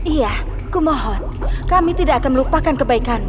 iya kumohon kami tidak akan melupakan kebaikan